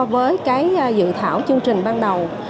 với cái dự thảo chương trình ban đầu